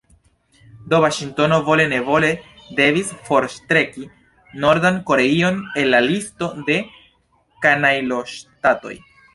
Do Vaŝingtono vole-nevole devis forstreki Nordan Koreion el la listo de kanajloŝtatoj.